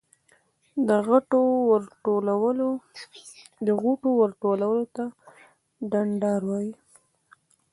د غوټیو ورتولو ته ډنډار وایی.